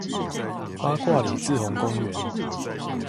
八卦里滯洪公園